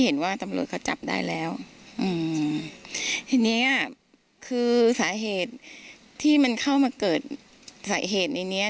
เห็นว่าตำรวจเขาจับได้แล้วอืมทีเนี้ยคือสาเหตุที่มันเข้ามาเกิดสาเหตุในเนี้ย